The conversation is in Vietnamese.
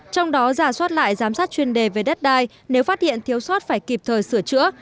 trong đó giả soát lại giám sát chuyên đề về đất đai nếu phát hiện thiếu soát phải kịp thời sửa chữa